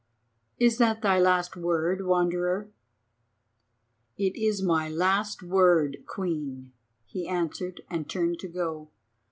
"Is that thy last word, Wanderer?" "It is my last word, Queen," he answered, and turned to go.